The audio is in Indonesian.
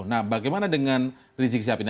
nah bagaimana dengan rizik sihab ini